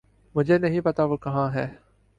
مجھے نہیں پتا وہ کہاں ہے